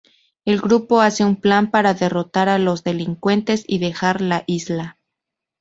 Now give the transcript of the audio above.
El grupo hace un plan para derrotar a los delincuentes y dejar la isla.